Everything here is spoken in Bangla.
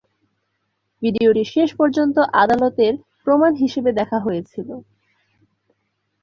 ভিডিওটি শেষ পর্যন্ত আদালতের প্রমাণ হিসাবে দেখা হয়েছিল।